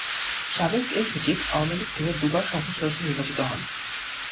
সাবেক এই সচিব আওয়ামী লীগ থেকে দুবার সংসদ সদস্য নির্বাচিত হন।